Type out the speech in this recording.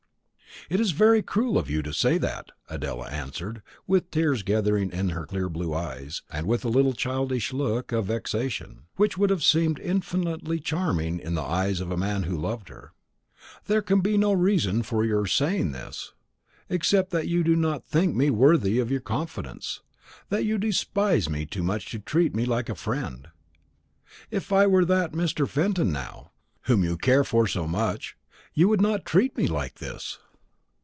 "It is very cruel of you to say that," Adela answered, with the tears gathering in her clear blue eyes, and with a little childish look of vexation, which would have seemed infinitely charming in the eyes of a man who loved her. "There can be no reason for your saying this, except that you do not think me worthy of your confidence that you despise me too much to treat me like a friend. If I were that Mr. Fenton now, whom you care for so much, you would not treat me like this."